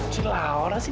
si laura sih